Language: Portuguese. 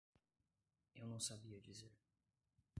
Eu não sabia dizer.